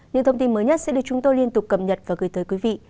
những thông tin mới nhất sẽ được chúng tôi liên tục cập nhật và gửi tới quý vị